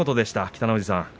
北の富士さん。